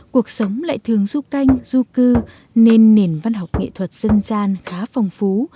cuộc sống lại thường du canh du cư nên nền văn học nghệ thuật dân gian khá phong phú